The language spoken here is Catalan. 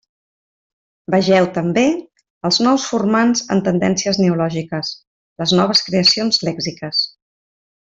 Vegeu també Els nous formants en Tendències neològiques: les noves creacions lèxiques.